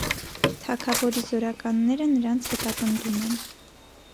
Թագավորի զորականները նրանց հետապնդում են։